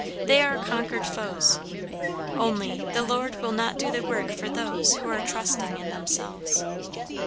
They are conquered foes. Only, the Lord will not do the work for those who are trusting in themselves.